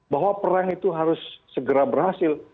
bahwa perang itu harus segera berhasil